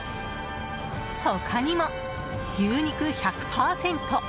他にも牛肉１００％！